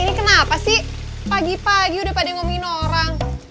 ini kenapa sih pagi pagi udah pada ngomongin orang